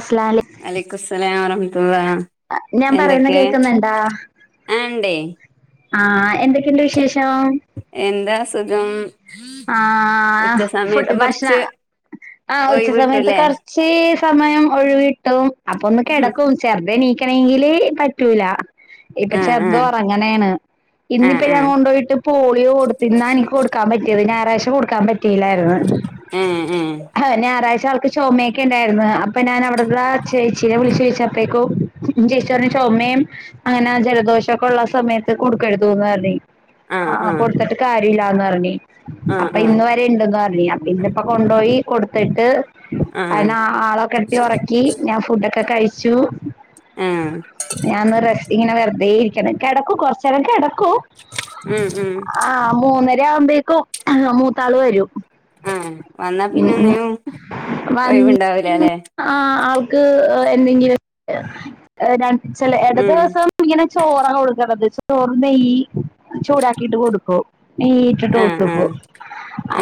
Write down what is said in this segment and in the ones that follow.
അസ്സലാ ലക്ക് അലൈക്കുസ്സലാം വറഹ്മത്തുള്ളാഹ്, ഞാൻ പറയുന്ന എന്തൊക്കേ. കേക്കുന്നുണ്ടാ ആഹ് ണ്ടേ ആഹ്, എന്തൊക്കെയുണ്ട് വിശേഷം? എന്താ സുഖം. ആ..... ഉച്ച ഹ്. സമയത്ത് ഫുഡ് ഭക്ഷണ കൊറച്ച് ആഹ്, ഉച്ച ഒഴിവ് സമയത്ത് കിട്ടൂല്ലേ ക ക്ഷേ ഈ സമയം ഒഴിവിട്ടും. അപ്പൊ ഒന്ന് കെടക്കും. ചെറുതെനീക്കാണങ്കില് പറ്റൂല. ഇപ്പൊ ആ ആ ചെറുത് ഒറ ങ്ങനേണ്. ആ ഇന്നിപ്പൊ ആ ഞാൻ കൊണ്ടുപോയിട്ട് പോളിയോ കൊടുത്തിന്ന എനിക്ക് കൊടുക്കാൻ പ ഇത് ഞായറാഴ്ച കൊടുക്കാൻ പറ്റിയില്ലായിരുന്നു. ഏ ഏ ഹ ഞായറാഴ്ച അവൾക്ക് ചൊമയൊക്കെ ഉണ്ടായിരുന്നു. അപ്പൊ ഞാന് അവിടുത്തെ ആ ചേച്ചീനെ വിളിച്ചു ചോയ്ച്ചപ്പഴേക്കും ചേച്ചി പറഞ് ചൊമേം അങ്ങനെ ജലദോഷം ഒക്കെ ഉള്ള സമയത്ത് കൊടുക്കരുത്‌ന്ന് പറഞ്ഞഞ്ഞീനി ആ ആ ആഹ്, കൊടുത്തിട്ട് കാര്യ ഇല്ലാന്ന് പറഞ്ഞി. ആ അപ്പ ആ ഇന്ന് പ്പിണ്ട്ന്ന് പറഞ്ഞിനി. അപപിന്നെപ്പോ കൊണ്ടോയി കൊടുത്തിട്ട് ആ അരണ അ ആളക്കെ കുട്ടിയെ ഉറക്കി, ഞാൻ ഫുഡൊക്കെ കഴിച്ചു. ആഹ് ഞാൻന്ന് റസ്റ്റിംഗിന് വെറുതേ ഇരിക്ക്ണ്. കെടക്കു കൊറച്ചേരം കെടക്കൂ. ഉം ഉം അ ആഹ്, മൂന്നര ആവുമ്പഴേക്കും മൂത്താള് വരും. ആഹ്, വന്നാ ഉം പിന്ന ഉം ഒന്നിനും ഒഴിവുണ്ടാവൂല ല്ലെ ആഹ്, ആൾക്ക് എന്തെങ്കിലും ര ചെല എട ഉം ദിവസം. ഇങ്ങനെ ചോറാണ് കൊടുക്കേണ്ടത്. ചോറും നെയ്യ് ചൂടാക്കിട്ട് കൊടുക്കും. നെയ്ട്ട ആ ആ ട്ടക്കു.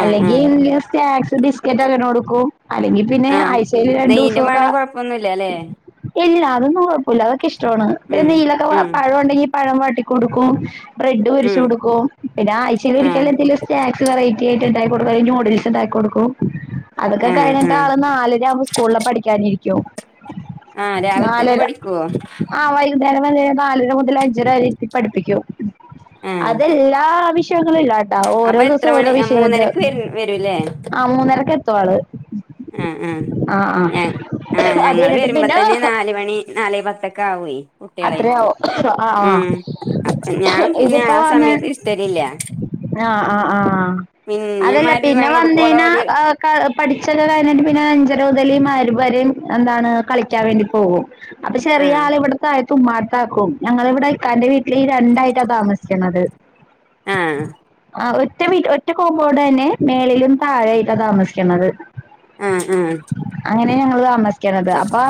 ആ ആ ങ്ങനെ സ്നാക്സ് ബിസ്കറ്റ് അങ്ങനെ കൊടുക്കും. അല്ലെങ്കി പിന്നെ ആ ആഴ്ച്ചേല് രണ്ടു നെയ്യിന്റെ ദീസൊക്കെ മണം കൊഴപ്പൊന്നുല്ലല്ലേ ഇല്ല അതൊന്നും കൊഴപ്പൂല്ല, അതൊക്കെ ഇഷ്ടമാണ്. പിന്നെ ഉം നെയ്യിലൊക്കെ ഉം പഴുണ്ടെങ്കി പഴം വാട്ടി കൊടുക്കും, ബ്രെഡ് പൊരിച്ച് ഉം കൊടുക്കും. പിന്നെ ആഴ്ചയിൽ ആ ഒരിക്കല എന്ത സ്നാക്സ് വെറൈറ്റി ആയിട്ട് ഉണ്ടാക്കി കൊടുക്കും അല്ലെങ്കി ന്യൂഡിൽസ് ഉണ്ടാക്കി കൊടുക്കും. അതൊക്കെ ആ ആ കഴിഞ്ഞിട്ടാള് നാലര ആകുമ്പം സ്കൂളില പഠിക്കാനിരിക്കും. ആഹ്, രാവിൽ തന്നെ പഠിക്കോ? ആഹ്, വൈകുന്നേരം വന്ന് കഴിഞ്ഞാ നാലര മുതൽ അഞ്ചര വരെ ഇരുത്തി പഠിപ്പിക്കും. ആ അതല്ല ആഹ്, വിഷയങ്ങളെല്ലാണ്ടാകും. അപ്പൊ എത്ര മണി ആ മൂന്നരക്ക് വര് വരൂല്ലേ ആഹ്, മൂന്നരക്ക് എത്തു ആള് ആഹ് ആഹ്. ആ ആ ഞ ആഹ് അത് ഞങ്ങള് കഴിഞ്ഞിട്ട് വരുമ്പോ തന്നെ പിന്നെ നാല് മണി നാലെ പത്തൊക്കെ ആവൊയ് കുട്ടിയളെ, അത്രയാവും ആ ആ ഉം അപ്പൊ ഞാൻ പിന്നെ ആ സമയത്ത് ഇര്‌ത്തലില്ല ആഹ ആഹ് ആഹ്. അതല്ല മഗ്‌രിബ് പിന്നെ ബാങ്ക് കൊടുക്കുവോളം വന്നയിഞ്ഞാ ഓല് ആ ക പഠിച്ചൊക്കെ കഴിഞ്ഞിട്ട് പിന്നെ അഞ്ചര മുതല് മഗ്‌രിബ് വരെ എന്താണ് കളിക്കാൻ വേണ്ടി പോകും. അപ്പ ആ ചെറിയ ആള് ഇവിടുത്തായി തുമ്മാത്താക്കും. ഞങ്ങള ഇവിടെ ഇക്കാന്റെ വീട്ടില് ഈ രണ്ടായിട്ടാ താമസിക്കന്നത്. ആഹ് ആ ഒറ്റ വീ ഒറ്റ കോമ്പോട് തന്നെ മേലെയും താഴെയായിട്ടാ താമസിക്കുന്നത്. ആഹ് ആഹ് അങ്ങനെ ഞങ്ങള് താമസിക്കനത്. അപ്പൊ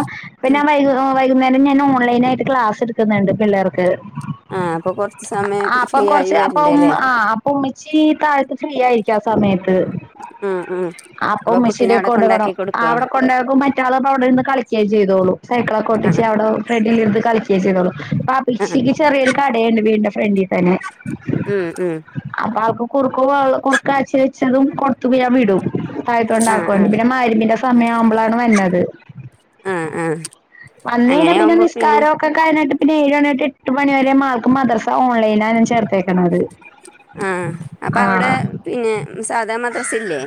പിന്നെ [unintelligible] വൈകുന്നേരം ഞാൻ ഓൺലൈൻ ആയിട്ട് ക്ലാസ് എടുക്കുന്നുണ്ട് പിള്ളേർക്ക്. ആ അപ്പൊ കൊറച്ച് സമയം ആ അപ്പൊ ഫ്രീ ആയി കൊറച്ച് അപ്പൊ ഉമ്മ വരണ്ടേല്ലേ ആ ഉമ്മിച്ചി താഴത്ത് ഫ്രീ ആയിരിക്ക ആ സമയത്ത് ആ ആ അപ്പൊ ഉമ്മച്ചിടെ കൊണ്ടു [unintelligible] അവിടെ കൊണ്ടുക്കും മറ്റേളും അവിടെന്ന് കളിക്കുകേ ചെയ്തോളൂ സൈക്കിള ഒക്കെ ആ ഒട്ടിച്ച് അവിടെ ഫ്രണ്ടിൽ ഇരു കളിക്കുകേ ചെയ്തോളൂ ആ ബാപ്പച്ചിക് ചെറിയൊരു കടയുണ്ട് വീടിന്റെ ഫ്രണ്ടിൽ തന്നെ ഉം ഉം അപ്പൊ ആൾക്ക് കുറുക്കു കുറുക്കാച്ചി വെച്ചതും കൊടുത്തു ഞാൻ വിടും സായത്ത ആ ആ ഉണ്ടാക്കപിന്നെ മയരിബിന്റെ സമയം ആവുമ്പോളാണ് വന്നത് ആ ആ വന്നെയ്ഞ്ഞ അങ്ങനെ പിന്നെ ആവുമ്പോ നിസ്കാരം അ കഴിഞ്ഞിട്ട് പിന്ന ഏഴ് മണട്ട് എട്ട് മണി വരെ ആൾക്ക് മദ്രസ ഓൺലൈന ചേർത്തേക്കണത് ആണ്ചേർത്തേക്കുന്നത് ആ അപ്പൊ അവിടെ പിന്നെ സാധാ മദ്രസ ഇല്ലേ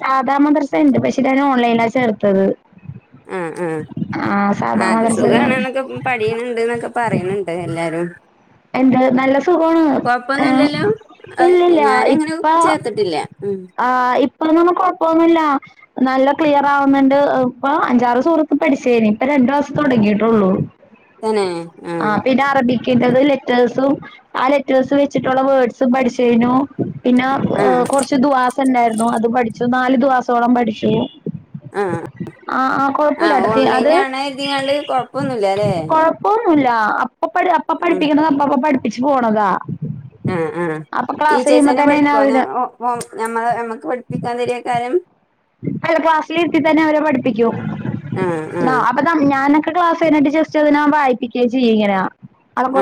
സാദാ മദ്രസ ഇണ്ട് പക്ഷെ ഞാൻ ഓൺലൈനാ ചേർത്തത് ആ ആ ആ സാധാ ആത് മദ്രസ സുഖണെന്നൊക്കെ ഉം പഠിയുന്നുണ്ട് എന്നൊക്കെ പറയുന്നുണ്ട് എല്ലാരും എന്ത് നല്ല സുഖാണ് ഏ കൊഴപ്പൊന്നുല്ലല്ലോ അത് ഇല്ലല്ല ഞാനങ്ങനെ ഇപ്പ ചേർത്തിട്ടില്ല ഉം ആ ഇപ്പൊ അതൊന്നും കൊഴപ്പൊന്നുല്ല നല്ല ക്ലിയർ ആവുന്നുണ്ട് ഇപ്പൊ അഞ്ചാറ് സുറത്ത് പഠിച്ചേനി ഇപ്പ രണ്ടു മാസം തുടങ്ങിയിട്ടുള്ളു ആ പിന്നെ അറബിക്കിൻറത് റ്റേഴ്സും ആ ലെറ്റേഴ്സ് വെച്ചിട്ടുള്ള വേർഡ്സും പഠിച്ചു കഴിഞ്ഞു പിന്നെ ആ കുറച്ച് ദുആസ ഉണ്ടായിരുന്നു അത് പഠിച്ചു നാലു ദുആസോളം പഠിച്ചു ആ ആഹ ആ കൊഴപ്പില്ല ട ഓൺലൈൻ അത് ആണ് എഴുതിങ്ങാണ്ട് കൊഴപ്പൊന്നുല്ല ല്ലേ കൊഴ പ്പൊന്നുല്ല അപ്പ അപ്പ ഉം പഠിപ്പിക്കണത് അപ്പ അപ്പ പഠിപ്പിച്ച് പോണതാ ആ ആ അപ്പൊ ക്ലാസ് ടീച്ചേഴ്സ് കഴിയുമ്പോ തന്നെ ഞാൻ പഠിക്കുവോ അവര് ഓ ഞമ്മള നമ്മക്ക് പഠിപ്പിക്കാൻ തരി കാലും അല്ല ക്ലാസ്സിൽ ഇരുത്തി തന്നെ അവരെ പഠിപ്പിക്കും ആ ആ അതാം ഞാനൊക്കെ ക്ലാസ് കഴിഞ്ഞിട്ട് ജസ്റ്റ് അതിനാ വായി്പിക്കുക ചെയ്യ ഇങ്ങനാ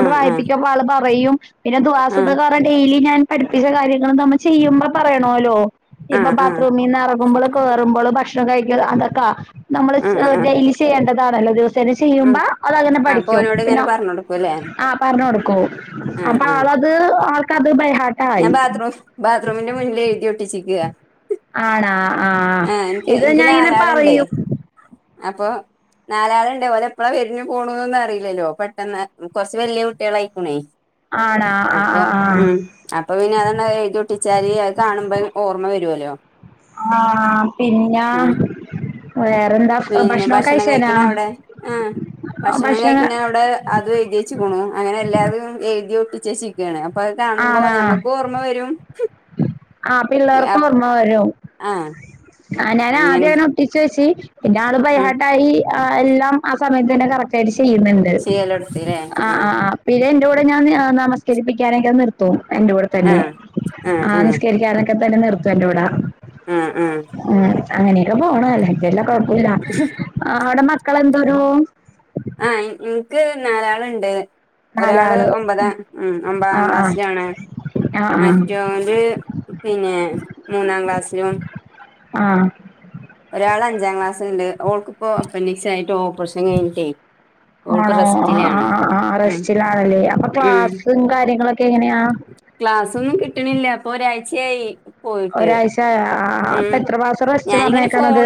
ആ ആ വായിപ്പക്ക ആള് പറയും പിന്നെ ദുആസ ആ പ്പ ഡെയ് ലി ഞാൻ പഠപ്പിച്ച കാര്യങ്ങൾ നമ്മ ചെയ്യുമ്പോ പറയണല്ലോ ആ ഇപ്പൊ ആ ബാത്റൂമീന്ന് ഇറുമ്പോളും കേറുമ്പളും ഭക്ഷണം കഴി അതൊക്ക നമ്മള് ആ ആ ഡെയ് ലി ചെയ്യേണ്ടതാണല്ലോ ജസ് ര് ചെയ്യുമ്പ ഉം അതങ്ങനെ അപ്പൊ പഠിക്കും ഓനോട് ഇങ്ങനെ പിന്നെ പറഞ്ഞ് കൊടുക്കും അല്ലേ ആ പറഞ്ഞ് കൊടുക്കും ആ അപ്പൊ ആ ആളത് ആൾക്കത് ബയ്ഹാ ഞാൻ ബാത്റൂം ബാത്റൂിന്റെ മുന്നിൽ എഴുതി ഒട്ടിച്ചേക്കുക ആണാ ആഹ ഇത് എനിക്ക് ഞാൻ ഇങ്ങനെ നാലാളുണ്ടേ പറയും അപ്പൊ നാലാളുണ്ടേ ഓലെ എപ്പളാ വെരിക പോണന്നന്ന് അറിയില്ലല്ലോ പെട്ടെന്ന് കൊറച്ച് വല്യ കുട്ടികളായിക്കുണേ ആണാ ആ അപ്പൊ ആ ആ ഉം അപ്പൊ പിന്നെ അതങ്ങ് എഴുതി ഒട്ടിച്ചാല് അത് കാണുമ്പോ ഓർമ്മ വരുവല്ലോ ആഹ പിന്ന ഉം വേറെന്താ പിന്നെ ഭക്ഷണൊക്കെ ഭക്ഷണം കഴിച്ചേനാ കഴിക്കണ അവിടെ ഭക്ഷണ അത് എയ്തിച്ച്ക്ണു അങ്ങനെ എല്ലാവരും എഴുതി ഒട്ടിച്ചേച്ച് ക്കാണ് അപ്പൊ അത് കാണുമ്പോ ആണാ ഞമ്മക്ക് ഓർമ്മ വരും ആ പിള്ളേർക്കും ഓർമ്മ വരും ആഹ് ആ ഞാൻ അങ്ങനെ ആദ്യന ഒട്ടിച്ച് വെച്ച് പിന്നെ ആള് ഉം ബയ്ഹാർട്ടായി എല്ലാം ആ സമയത്ത് തന്നെ കറക്റ്റ് ആയിട്ട് ചെയ്യുന്നുണ്ട് ശീലടുത്തില്ലേ ണ്ട് ആ ആ ആഹ് ആ പിന്നെ എന്റെ കൂടെ ഞാൻ നമസ്കരിപ്പിക്കാനൊക്കെ നിർത്തും എന്റെ കൂടെ തന്നെ ആഹ് ആഹ് ആ ആഹ് നൊക്കെ തന്നെ നിർത്തുന്റെ കൂട ഉം ഉം ഉം അങ്ങനെയൊക്ക പോണ് അല്ലേല്ലാം കൊഴപ്പമില്ല അവിടെ മക്കള എന്തോരു ആഹ എനക്ക് നാലാളുണ്ട് ഒരാള് നാലാള് ഒമ്പതാം ഉം ഒമ്പതാം ആഹ് ആഹ് ക്ലാസ്സിലാണ് ആഹ് മറ്റോര് പിന്നെ മൂന്നാം ക്ലാസ്സിലും ആ ഒരാൾ അഞ്ചാം ക്ലാസ് ല്ണ്ട് അവൾക്കിപ്പോ അപ്പൻന്റിസ് ആയിട്ട് ഓറേഷൻ കഴിഞ്ഞിട്ട ആണോ ആ ആ ആ ഉം റസ്റ്റിലാണല്ലേ അപ്പൊ ഉം ക്ലാസ്സും കാര്യങ്ങളൊക്കെ എങ്ങനെയാ? ക്ലാസ്സൊന്നും കിട്ട്ണില്ല പ്പൊ ഒരാഴ്ചായി ഒരാഴ്ചായ ആ ആ അപ്പ എത്ര മാസാ റസ്റ്റ് പറഞ്ഞേക്കണത്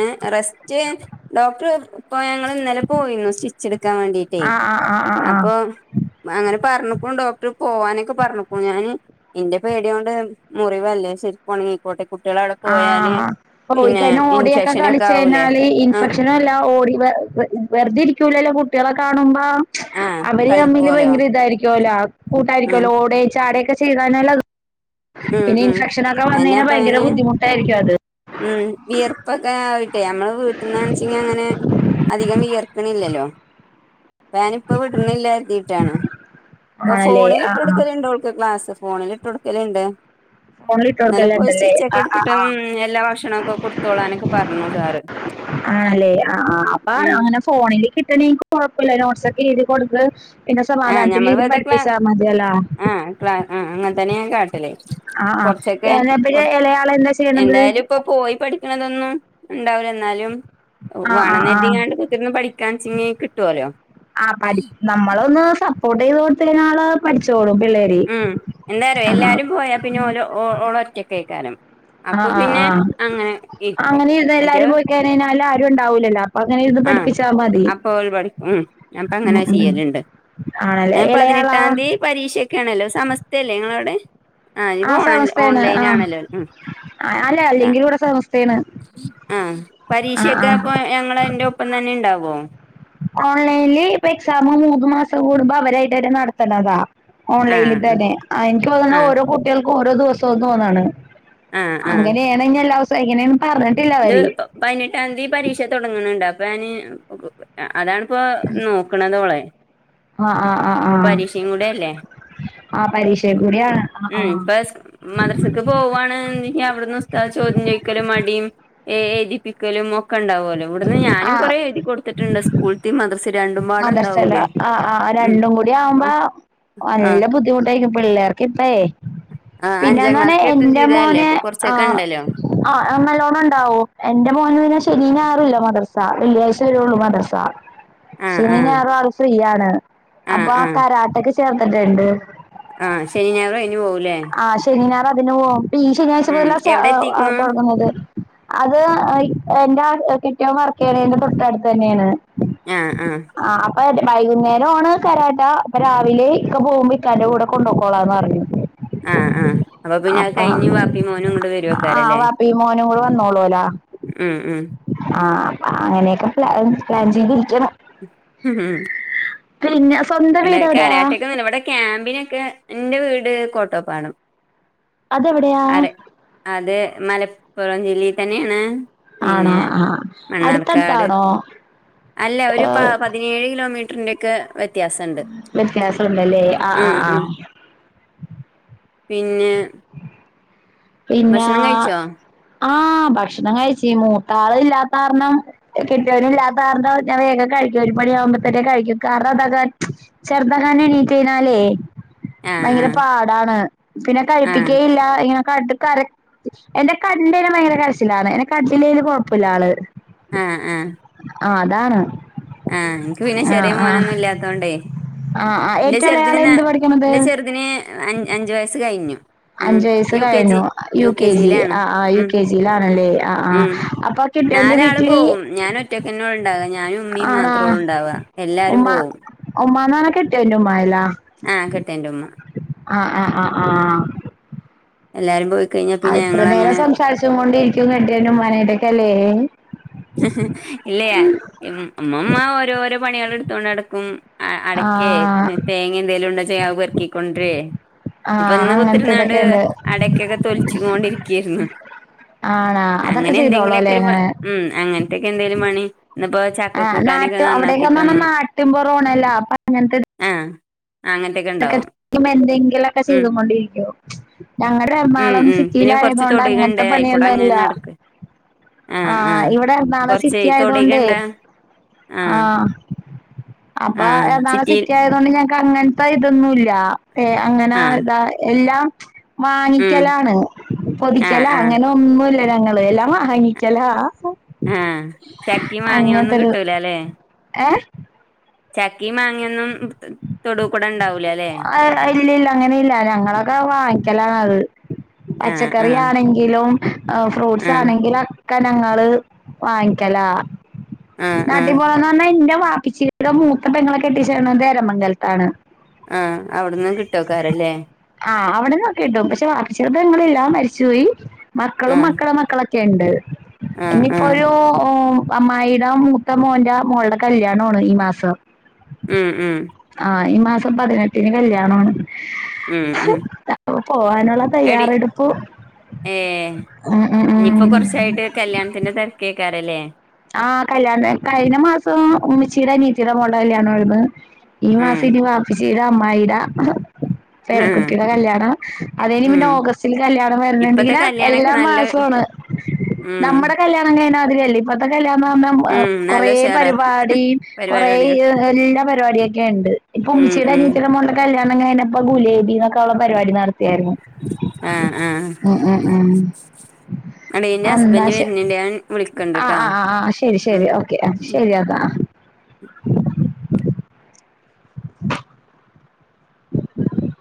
ഏ റെസ്റ്റ് ഡോക്ടറ് പ്പൊ ഞങ്ങള് ഇന്നലെ പോയിന്നു സ്റ്റിച്ച് എടുക്കാൻ വേണ്ടിട്ടേ ആഹ് ആഹ് ആഹ് ആഹ് ആഹ് അപ്പൊ അങ്ങനെ പർഞ്ക്കുണു ഡോക്ടർ പോവാനൊക്കെ പർഞ്ക്ക്ണു ഞാന് ഇന്റെ പേടിയോണ്ട് മുറിവല്ലേ ശരിക്കൊണങ്ങി പോട്ടെ കുട്ടിളവിടെ പോയാല് ആഹ് പിന്നെ പോയിക്കഴിഞ്ഞാ ഇൻഫെക്ഷനൊക്കെ ആവലേ ആ പിന്നല്ല ഓടി വെ വെ വെർതിരിക്കൂലല്ലോ കുട്ടിളെ കാണുമ്പോ ആഹ് അവര് തമ്മില് കളിക്കോലോ ഭയങ്കര ഇതായിരിക്കോല്ലോ ഉം കൂട്ടായിരിക്കോല്ലോ ഓടെ ചാടെയൊക്കെ ചെ ചെയ്താന ഉം പിന്നെ ഉം ഇൻഫെക്ഷനൊക്കെ വന്നയ്നെ ഭയങ്കര ബുദ്ധിമുട്ടായിരിക്കും അത് മ് വിയർപ്പൊക്കെ ആയിട്ടേ നമ്മള് വീട്ടിന്നാണച്ച്ങ്കി അങ്ങനെ അധികം വിയർ ണില്ലല്ലോ ഞാന് ഇപ്പ വിട്ണില്ലാന്നരിതിയിട്ടാണ് ആണല്ലേ ഫോണില് ആഹ് ആഹ് ഇട്ടൊടുക്കല്ണ്ട് ഓൾക്ക് ക്ലാസ് ഫോണിൽ ഇട്ടൊടുക്കല്ണ്ട് ഫോണിലിട്ടോർക്കെല്ലാം ഇന്നല്ലെപ്പോയി ഉണ്ടല്ലേ സ്റ്റിച്ച് ഒക്കെ ആഹ് എടുത്തിട്ട ആഹ് ആഹ് മ് എല്ലാ ഭക്ഷണൊക്കെ കൊടുത്തോളാനൊക്കെ പറഞ്ഞു സാറ് മ് ഫോണിൽ കിട്ടണങ്കി കൊഴപ്പല്ല നോട്സൊക്കെ എഴ്തി കൊടുക്ക പിന്നെ ആഹ് സമാധാനത്തിരിന്ന് പഠിപ്പിച്ചാ മതി ലോ ആ ആ അങ്ങനെ തന്നെ ഞാൻ കാട്ടല് ആ കൊറച്ചൊക്കെ ആ കൊറ പ്പളെ ഇലയാള എന്താ ചെയ്യണത് എന്തായാലും ഇപ്പൊ പോയി പഠിക്കണതൊന്നും ഇണ്ടാവില്ല ന്നാലും ആഹ് ആഹ് ആഹ് വാണന്നതിരിക്കാണ്ട് പിന്നെ പഠിക്കാൻ ച്ച്ങെ കിട്ടോലോ ആ പഠി നമ്മളൊന്ന് സപ്പോർട്ടെയ്ത് കൊടുത്താള് പഠിച്ചോളും പിള്ളേര് മ് എന്തറിയോ എന്നാ എല്ലാരും പോയാ പിന്നെ ഓ ഓള ഒറ്റക്കേക്കാരം ആ അപ്പൊ ആ പിന്നെ ആ അങ്ങനെ ഇര്ക്കും അങ്ങനെ ഇരുന്ന് മറ്റേ എല്ലാരും പോയി കഴിഞ്ഞാല് ആരും ഉണ്ടാവൂലല്ലോ അപ്പൊ അങ്ങനെ ഇരുന്ന് ആ പഠിപ്പിച്ചാ മതി. അപ്പൊ ഒള് പഠി ഉം ഉം അപ്പങ്ങനെ ഉം ചെയ്യല്ണ്ട് ആണല്ലേ അ ഇളയാളാ പതിനെട്ടാ ന്തി പരീക്ഷൊക്കേണല്ലോ സമസ്തല്ലേ ഇങ്ങളവടെ ആ ഇപ്പ ഓൺ സമസ്തയാണ് ഓൺലൈൻ ആ ആണല്ലോ മ് അല്ല അ അല്ലെങ്കിൽ ഇവിടെ സമസ്തയാണ് ആ ആ പരീക്ഷയൊക്കെ ആ അപ്പൊ ഞങ്ങൾ അന്റെ ഒപ്പം തന്നെ ഇണ്ടാവോ ഓൺലൈന്ല് ഇപ്പൊ എക്സാം മൂന്ന് മാസം കൂടുമ്പോ അവരായിട്ട് തന്നെ നടത്തണതാ ഓൺലൈനിൽ ആഹ് തന്നെ എനിക്ക് തോന്നണൂ ആഹ് ഓരോ കുട്ടിയാൾക്കും ഓരോ ദിവസോ തോന്നണ് ആഹ് ആഹ് അങ്ങനെണേങ്കി എല്ലാസോം എങ്ങാനേന്ന് പറഞ്ഞിട്ട് ഇത് പതിനെട്ടാന്തി പരീക്ഷ തുടങ്ങണണ്ട് അപ്പൊ ഞാന് അ അതാണ്പ്പോ നോക്കണതോളെ ആ ആ ആ ആ അല്ലേ ആ പരീക്ഷ കൂടിയ ആ ആആ ഉം ഇപ്പ മദ്രസക്ക് പോവാന്ന്ങ്കി അവിടന്ന് ഉസ്താം ചോദ്യം ചോദിക്കല് അടിയും ഏ എഴ്തിപ്പിക്കലും ഒക്കെ ഉണ്ടാവലോ ഇവിടുന്ന് ഞാനും കുറേ എഴുതി കൊടുത്തിട്ട്ണ്ട് സ് മദ്രസേല്ലാ ആ ആ ഉം രണ്ടും കൂടി ആവുമ്പോ ആ നല്ല ബുദ്ധിമുട്ടായിരിക്കും പിള്ളേർക്ക് ഇപ്പേ ആ അഞ്ചാം പിന്നെന്നണ ക്ലാസ്ക്ക് എത്തും എന്റെ ചെയ്തല്ലേ മോനെ അപ്പൊ കൊറച്ചൊക്കെ ഉണ്ടല്ലോ ആ ആ നല്ലോണ്ണം ഉണ്ടാവൂ എന്റെ മോന് പിന്നെ ശനി ഞായറൂല്ല മദ്രസ വെള്ളിയാഴ്ച വരള്ളൂ മദ്രസ ആഹ് ശനി ആഹ് ഞായറൂ ആൾ ഫ്രീയാണ് അപ്പൊ ആഹ് ആ കരാട്ടക്ക് ചേർത്തിട്ട്ണ്ട് ആ ശനി ഞായറും അയിന് പോവുലേ ആ ശനി ഞായറും അതിന് പോവും പ്പ ഈ ശനിയാഴ്ച ഉം മുതലാ എവിടെ സ്റ്റാ എത്തിക്കണു തൊടങ്ങുന്നത് അത് എന്റെ അ കെട്ടിയോൻ വർക്കെയ്യണീന്റെ തൊട്ടടുത്തന്നേന് ആ ആ ആഹ് അപ്പെ വൈകുന്നേരാേണ് കരാട്ട അപ്പൊ രാവിലെ ഇക്ക പോവുമ്പോ ഇക്കാന്റെ കൂടെ കൊണ്ടക്കോളാന്ന് പറഞ്ഞ് ആഹ് ആഹ് അപ്പൊ പിന്നെ അഅ് കഴിഞ്ഞ് വാപ്പിം മോനും ഇങ്ങട്ട് ആഹ് വരാേക്കാരല്ലേ വാപ്പയും മോനും കൂടെ വന്നോളൂലാ ഉം ഉം ആഹ് അ അങ്ങനെയെക്കെ പ്ലാ പ്ലാൻ ചെയ്തിരിക്ക്ണ് ഉംഹ് പിന്നെ സ്വന്തം വീട് എവിടെയാ ഇടെകരാട്ടക്കെനിലവിടെ ക്യാമ്പിനെക്കെ ഇന്റെവീട് കോട്ടോപ്പടം അതെവിടെയാ അത് മലപ്പാെറംജില്ലീത്തന്നെണ് ആണോ പിന്നെ ആഹ് മണ്ണാർക്കാട് അടുത്തടുത്താണോ അല്ലഒരു പാ ഏഹ് പതി നേഴ്കിലോമീറ്ററിന്റെക്കെ വ്യത്യാസണ്ട് വ്യത്യാസം ഉണ്ടല്ലേ ആഹ് ആഹ് ഉംഉം ആഹ് പിന്നെ പിന്നാ ഭക്ഷണം കഴിച്ചോ ആഹ് ഭക്ഷണംകഴിചീന്നു മൂത്താള്ഇല്ലാതാർണം കെട്ടിയോനുല്ലാതാർണം ഞാവേഗം കഴിക്കും ഒരുമണിയാവുമ്പത്തെക്ക് കഴിക്കും കാരണാന്താച്ചാൽ ചേർത്തെങ്ങാനും എണീറ്റെയ്ഞ്ഞാലേ ആ ആ ഭയങ്കരപാടാണ് പിന്നെ ആ കഴിപ്പിക്കയില്ലാ ങ്ങനെകണ്ട് കര എന്നെക്കണ്ടായിഞ്ഞാ ഭയങ്കരകരച്ചിലാണ് എന്നെകണ്ടില്ലേലും കൊഴപ്പല്ലാള് ആഹ് ആഹ് ആഹ് അതാണ് ആഹ് ഇൻക്ക് പിന്നെ ആഹ് ചെറിയ ആഹ് മോനൊന്നും ഇല്ലാത്തോണ്ടേ ആഹ് ആഹ് ഇന്റെ ഏറ്റവും ഇളയ ചെറ്തിന് ആള് ന്നാ എന്ത് പഠിക്കണത് ഇന്റെചെറ്തിന് അൻ അഞ്ച് വയസ്സ് കഴിഞ്ഞു ഉം യു കെ ജി അഞ്ചുവയസ്സ്കഴിഞ്ഞു യു കെ ജി ജിയിലാണ് ആഹ് ആഹ് യു ഉം കെ ജിയിലാണല്ലേ അഹ് ആഹ് അപ്പ നാലാളുംപോവും ഞാന ഒറ്റക്കെന്നെള്ളുണ്ടാവാ ഞാനും ഇമ്മീം മാത്രോള്ളുണ്ടാവാ എല്ലാരും പോവും ഉമ്മാനാണ് കെട്ടിയോന്റെഉമ്മാല്ലാ ആഹ് കെട്ടിയോന്റെഉമ്മ അഹ് അഹ് അഹ് ആഹ് എല്ലാരും പോയ്കഴിഞ്ഞാ പിന്നെ ഞങ്ങളങ്ങനെ ത്കൊണ്ടിരിക്കും കെട്ടിയോന്റെമ്മാനയ്ട്ടക്കല്ലേ ഇല്ല്യേ ഇമ്മമ്മ ഓരോര പണ്യാള് എടുത്തോണ്ടടക്കും ആഹ് ആ അടയ്ക്കേ ഞ് തേങ്ങേഎന്തെലുണ്ടേച്ചാഅഅ് പെർക്കിക്കൊൺണ്ട്ര്യാെ ആ അങ്ങനത്തെ ഇതൊക്കെയുണ്ട് ഇപ്പൊഇന്ന്കുത്തിര്ന്നാണ്ട് അടക്കെക്കെതൊലിച്ച് കോണ്ടിരിക്ക്യായര്ന്ന് ആണാ അതൊക്കെ ചെയ്തോളോല്ലേ ഒരു അങ്ങനെ ഉം അങ്ങൻത്തെക്കെന്തെലും പണി ഇന്ന്പ്പോചക് ആഹ് നാട്ട് അവ്ടെക്കെന്നന്ന ന്നാട്ടുംപൊറോണല്ലോ അപ്പൊ അങ്ങനത്തത് ആഹ് അങ്ങത്തെക്ക് ക്കെ എന്തെങ്കിലുക്കെ ചെയ്തുകൊണ്ടിരിക്കും ഞങ്ങട് ഉം ഇതേർണാളം ഉം പിന്നെ കൊറച്ച് സിറ്റീലായതോണ്ട് തൊടുകണ്ട് അങ്ങൻത്തെ ആയിക്കൂടെ അങ്ങനെ പണിയൊന്നുംഅല്ല നടക്ക് ആഹ് ഇവിടെഎർണാളം കൊറച്ച് സിറ്റി ആയതോണ്ടേ തൊടുകണ്ട ആഹ് അപ്പ ആഹ് എറണാളം സിറ്റിയിൽ സിറ്റിയ തോണ്ട് ഞങ്ങക്ക്അങ്ങൻത്തെ ഇതൊന്നുല്ല ഏ അങ്ങനെ ആഹ് ഇതാഎല്ലാം ഉം വാങ്ങിക്കലാണ് ആഹ് പൊതിക്കലാേ ആഹ് അങ്ങനെ ന്നുല്ല ഞങ്ങള് എല്ലാംവാങ്ങിക്കലാ ആഹ് ചക്കീം മാങ്ങീം ഒന്നും കിട്ടൂലല്ലേ ഏഹ് ചക്കീം മാങ്ങ്യെന്നും തൊടൂകുടെണ്ടാവൂലല്ലേ ആഹ് ഇല്ല ഇല്ല അങ്ങനില്ല ഞങ്ങളൊക്കെ വാങ്ങിക്കലാണത് ആഹ് ആഹ് പച്ചക്കറിയാണെക് ങ്കിലും ഹ് ആഹ് ഫ്രൂട്ട്സാണെങ്കിലൊക്കെ ഞങ്ങള് വാങ്ങിക്കലാ ആഹ് ആഹ് നാട്ടിൻപൊറന്ന് പറഞ്ഞാ ഇന്റെ വാപ്പിച്ചീടെ മൂത്തപെങ്ങെളെ കെട്ടിച്ചേക്ക്ണത് എരമംഗൽത്താണ് ആഹ് അവിട്ന്നും കിട്ടോക്കാരംല്ലേ ആഹ് അവിടെന്നൊക്കെടും പക്ഷെ വാപ്പച്ചീടെ പെങ്ങളില്ല മരിച്ചുപോയി മക്കളും ആഹ് മക്കളെ മക്കളൊ ക്കെണ്ട് ആഹ് ആഹ് ഇന്നിപ്പോരു ഏഹ് അമ്മായിട മൂത്ത മോന്റ മോൾട കല്യാണ്വാണ് ഈ മാസം ഉം ഉം ആഹ് ഈ മാസം പതിനെട്ടിന് കല്യാണ്വാണ് ഉം ഉം പോവാനൊള്ള എടി തയ്യാറെടുപ്പു ഏഹ് ഇഞ്ഞിപ്പോ കൊർച്ചായിട്ട് കല്യാൺത്തിന്റെ തെര്ക്കേക്കാരല്ലേ. ആഹ്, കല്യാണത്തെര്ക്കാ കയിന മാസം ഉമ്മിച്ചീടെ അനീത്തീടെ മോൾട കല്യാണ്വാര്ന്ന് ഈ ഉം മാസം ഇനി വാപ്പിച്ചീടെ അമ്മായിടാ ആഹ് പേരക്കുട്ടിടെ കല്യാണം അതയിഞ്ഞ്പിന്നെ ഉം ഓഗസ്റ്റില് കല്യാണം വര്ണ് ഇപ്പത്തെ ണ്ടെങ്കില് കല്യാണൊക്കെ എല്ലാ നല്ല മാസോണ്- ഉം പയേ മാതിരിയല്ല ഇപ്പത്തെ കല്യാണം ന്നു പർഞ്ഞാ ഉം നല്ല കൊറേ ഉഷാറാ പരിപാടീം കുറേ പരിപാടികൾ യ് എല്ലാ പരിപാടിയൊക്കെണ്ട് ഇപ്പൊ ഉം ഉമ്മിച്ചീടെ ഉം അനീയത്തിടെ മോൾടെ ന്റെ കല്യാണം കയ്നപ്പ ഗുലേബി ന്നൊക്കെള്ള പരിപാടി നടത്ത്യാര്ന്നു. ആഹ് ആഹ് ഉം ഉം ഉം എടീ ഇന്റെ അന്നാ ഹസ്ബന്റ് ശ വരുന്നുണ്ട് ഞാൻ വിളിക്കൺ അഹ് ആഹ് ആഹ് ആഹ് ശരി ഓക്കെ ആഹ് ശരിയന്ന [inaudible] [inaudible]